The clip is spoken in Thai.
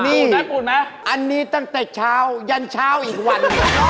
นี่อันนี้ตั้งแต่เช้ายันเช้าอีกวัน